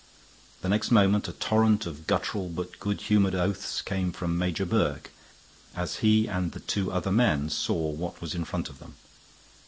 The next moment a torrent of guttural but good humored oaths came from Major Burke as he and the two other men saw what was in front of them.